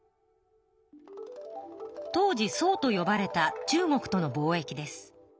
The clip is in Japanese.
当時宋とよばれた中国との貿易です。